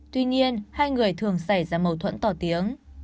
tuy nhiên hai người thường xảy ra mâu thuẫn to tiếng